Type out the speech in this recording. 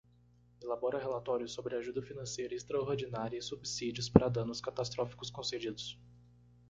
Elabora relatórios sobre ajuda financeira extraordinária e subsídios para danos catastróficos concedidos.